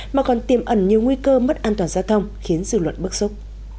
mà còn tiêm ẩn nhiều nguy cơ mất an toàn giao thông khiến dư luận bức xúc